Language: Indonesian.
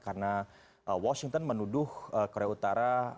karena washington menuduh korea utara